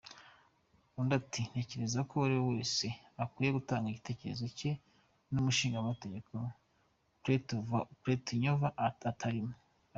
Undi ati: "Ntekereza ko uwariwe wese akwiye gutanga igitekerezo cye n’ umushingamategeko Pletnyova arimo.